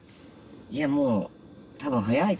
いやもう多分早いと思うから。